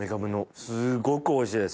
すごくおいしいです！